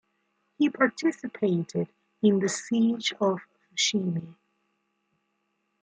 He participated in the Siege of Fushimi.